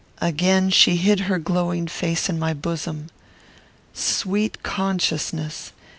Again she hid her glowing face in my bosom. "Sweet consciousness!